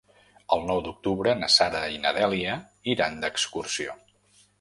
El nou d'octubre na Sara i na Dèlia iran d'excursió.